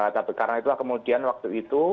tapi karena itulah kemudian waktu itu